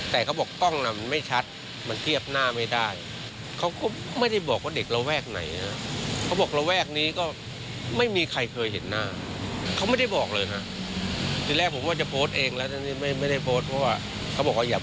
แต่เลยไม่โพสต์